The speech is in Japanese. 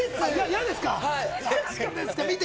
嫌ですか？